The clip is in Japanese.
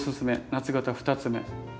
夏型２つ目。